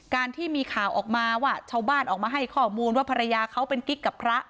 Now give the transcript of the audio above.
ที่มีข่าวออกมาว่าชาวบ้านออกมาให้ข้อมูลว่าภรรยาเขาเป็นกิ๊กกับพระ